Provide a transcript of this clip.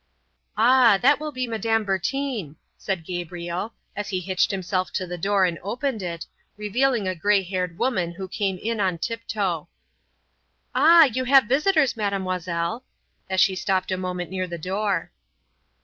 "Ah, that will be Madame Bertin," said Gabriel, as he hitched himself to the door and opened it, revealing a gray haired woman who came in on tiptoe. "Ah, you have visitors, Mademoiselle," as she stopped a moment near the door.